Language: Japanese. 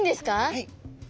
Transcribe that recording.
はい。